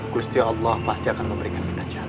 kusti allah pasti akan memberikan kita jalan